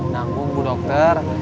nanggung bu dokter